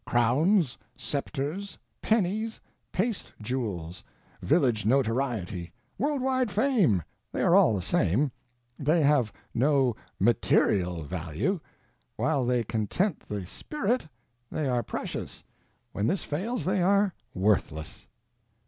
Crowns, scepters, pennies, paste jewels, village notoriety, world wide fame—they are all the same, they have no _material _value: while they content the _spirit _they are precious, when this fails they are worthless.